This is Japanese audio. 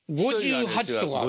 ５８とか。